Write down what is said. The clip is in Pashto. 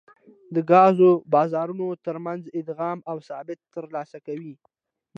د ګازو بازارونو ترمنځ ادغام او ثبات ترلاسه کوي